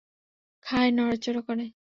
খায়, নড়াচড়া করে।